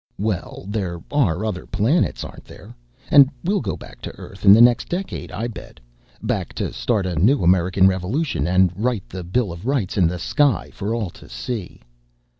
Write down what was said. "Well, there are other planets, aren't there? And we'll go back to Earth in the next decade, I bet. Back to start a new American Revolution and write the Bill of Rights in the sky for all to see."